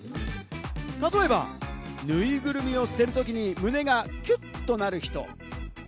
例えば、ぬいぐるみを捨てるときに胸がきゅっとなる人。